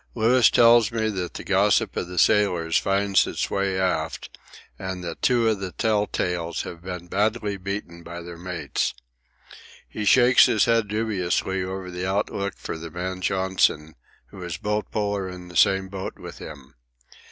Louis tells me that the gossip of the sailors finds its way aft, and that two of the telltales have been badly beaten by their mates. He shakes his head dubiously over the outlook for the man Johnson, who is boat puller in the same boat with him.